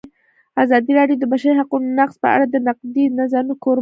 ازادي راډیو د د بشري حقونو نقض په اړه د نقدي نظرونو کوربه وه.